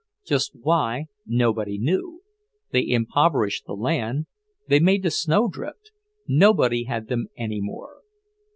Just why, nobody knew; they impoverished the land... they made the snow drift... nobody had them any more.